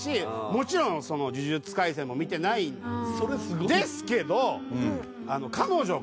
もちろんその『呪術廻戦』も見てないんですけど。